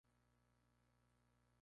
Más tarde la pareja se divorció.